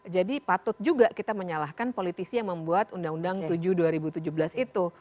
jadi patut juga kita menyalahkan politisi yang membuat undang undang tujuh dua ribu tujuh belas itu